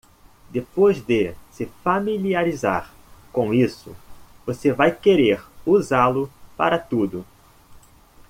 Depois de se familiarizar com isso, você vai querer usá-lo para tudo.